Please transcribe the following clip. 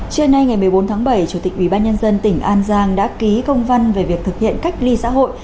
trưa nay ngày một mươi bốn tháng bảy chủ tịch ubnd tỉnh an giang đã ký công văn về việc thực hiện cách ly xã hội